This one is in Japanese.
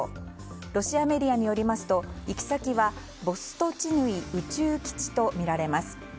ロシアメディアによりますと行き先はボストチヌイ宇宙基地とみられます。